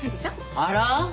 あら？